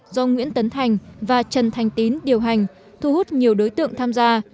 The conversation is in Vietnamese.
do nguyễn tấn thành và trần thành tín điều hành thu hút nhiều đối tượng tham gia